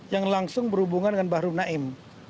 yang langsung berhubungan dengan bahru naim